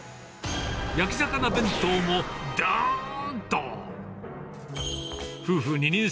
焼き魚弁当も、どーんと。